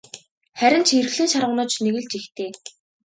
Харин ч эрхлэн шарваганаж нэг л жигтэй.